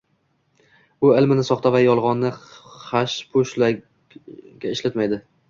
U ilmini soxta va yolg‘onni xaspo‘shlashga ishlatmaydi.